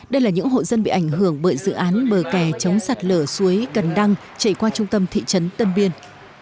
đây là những hộ dân bị ảnh hưởng bởi dự án bờ kè chống sạt lở suối cần đăng chạy qua trung tâm thị trấn tân biên